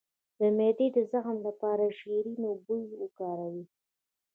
د معدې د زخم لپاره شیرین بویه وکاروئ